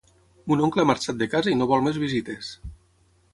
Mon oncle ha marxat de casa i no vol més visites